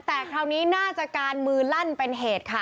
แต่คราวนี้น่าจะการมือลั่นเป็นเหตุค่ะ